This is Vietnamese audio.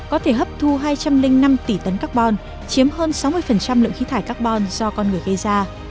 có thể hấp thu hai trăm linh năm tỷ tấn carbon chiếm hơn sáu mươi lượng khí thải carbon do con người gây ra